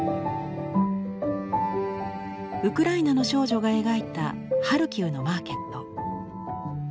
ウクライナの少女が描いたハルキウのマーケット。